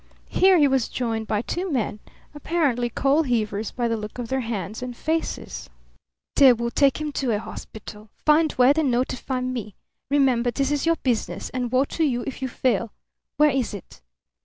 Here he was joined by two men, apparently coal heavers by the look of their hands and faces. "They will take him to a hospital. Find where, then notify me. Remember, this is your business, and woe to you if you fail. Where is it?"